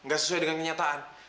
gak sesuai dengan kenyataan